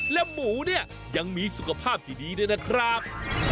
และหมูเนี่ยยังมีสุขภาพที่ดีด้วยนะครับ